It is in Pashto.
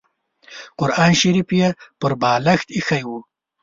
قران شریف یې پر بالښت اېښی و.